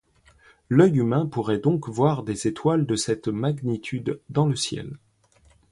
L’œil humain pourrait donc voir des étoiles de cette magnitude dans le ciel.